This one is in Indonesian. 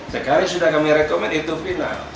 sekarang sudah kami rekomendasi itu final